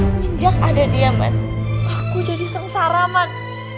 semenjak ada dia man aku jadi sengsara man